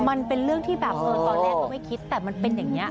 มันเป็นเรื่องที่แบบตอนแรกก็ไม่คิดแต่มันเป็นอย่างนี้